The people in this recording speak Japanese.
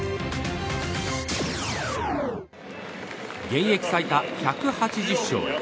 現役最多１８０勝へ。